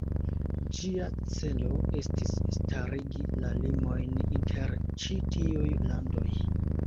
Ĝia celo estis starigi la limojn inter ĉi tiuj landoj.